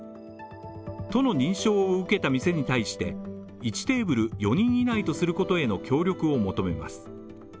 都の認証を受けた店に対して、１テーブル４人以内とすることへの協力を求めます。